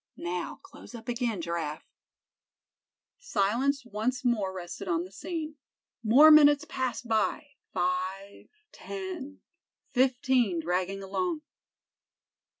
Now, close up again, Giraffe." Silence once more rested on the scene. More minutes passed by—five, ten, fifteen dragging along.